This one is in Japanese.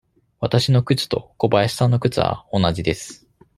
わたしの靴と小林さんの靴は同じです。